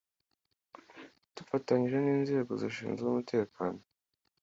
Dufatanyije n’inzego zishinzwe umutekano